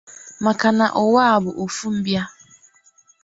maka na ụwa bụ ofu mbịa.